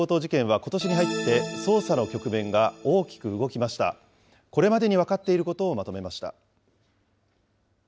これまでに分かっていることをまとめました。